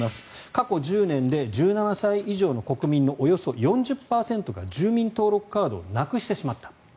過去１０年で１７歳以上の国民のおよそ４０％が住民登録カードをなくしてしまった。